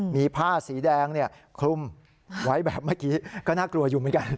มีผ้าสีแดงคลุมไว้แบบเมื่อกี้ก็น่ากลัวอยู่เหมือนกัน